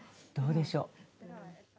どうでしょう？